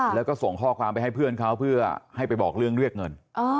แล้วก็ส่งข้อความไปให้เพื่อนเขาเพื่อให้ไปบอกเรื่องเรียกเงิน